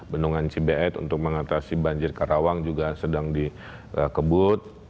bendungan cibeet untuk mengatasi banjir karawang juga sedang dikebut